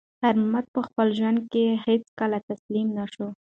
خیر محمد په خپل ژوند کې هیڅکله تسلیم نه شو.